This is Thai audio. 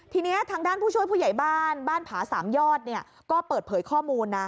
ทีนี้ทางด้านผู้ช่วยผู้ใหญ่บ้านบ้านผาสามยอดก็เปิดเผยข้อมูลนะ